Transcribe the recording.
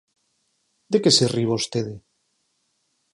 ¿De que se ri vostede?